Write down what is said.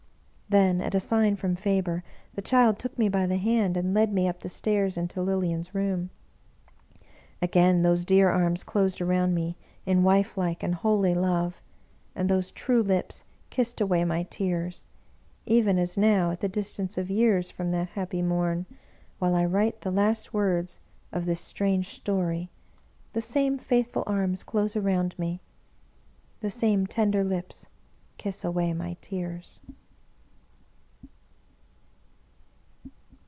" Then, at a sign from Faber, the child took me by the hand and led me up the stairs into Lilian's room. Again those dear arms closed around me in wifelike and holy love, and those true lips kissed away my tears— even as now, at the distance of years from that happy morn, while I write the last words of this Strange Story, the same faithful arms close around me, the same tender lips kiss away my tears.